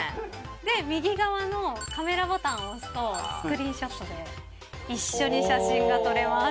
で右側のカメラボタンを押すとスクリーンショットで一緒に写真が撮れます。